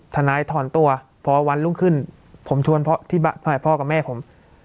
ทนายถอนตัวพอวันรุ่งขึ้นผมชวนพ่อกับแม่ผม